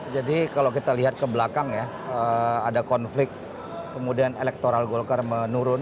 jadi kalau kita lihat ke belakang ya ada konflik kemudian elektoral golgar menurun